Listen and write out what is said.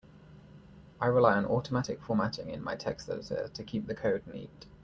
I rely on automatic formatting in my text editor to keep the code neat.